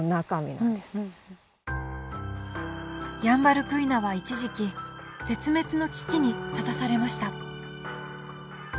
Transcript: ヤンバルクイナは一時期絶滅の危機に立たされました。